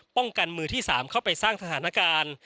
มือกันมือที่๓เข้าไปสร้างสถานการณ์